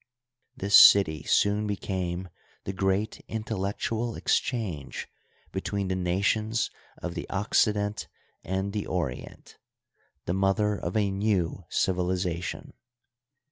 This city soon became tne great intellectual ex*, change between the nations of the Occident and the Ori ent, the mother of a new civilization.